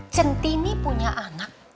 centini punya anak